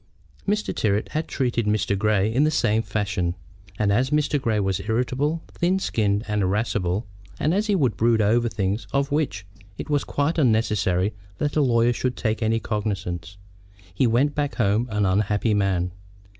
Mr. Tyrrwhit had treated Mr. Grey in the same fashion; and as Mr. Grey was irritable, thin skinned, and irascible, and as he would brood over things of which it was quite unnecessary that a lawyer should take any cognizance, he went back home an unhappy man.